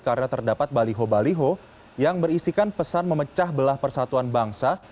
karena terdapat baliho baliho yang berisikan pesan memecah belah persatuan bangsa